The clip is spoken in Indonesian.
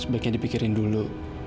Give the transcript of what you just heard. sebaiknya dipikirin dulu